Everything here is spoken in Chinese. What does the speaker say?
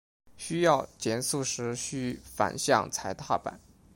需要减速时须反向踩踏板。